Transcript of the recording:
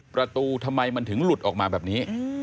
ประตูทำไมมันถึงหลุดออกมาแบบนี้